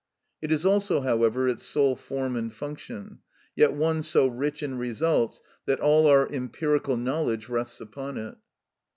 It is also, however, its sole form and function, yet one so rich in results that all our empirical knowledge rests upon it.